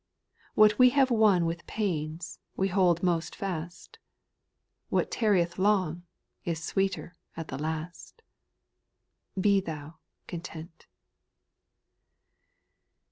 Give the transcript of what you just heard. What we have won with pains, we hold most fast, What tarrieth long, is sweeter at the last. Be thou content.